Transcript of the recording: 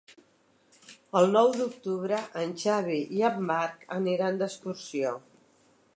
El nou d'octubre en Xavi i en Marc aniran d'excursió.